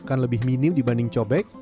makan lebih minim dibanding cobek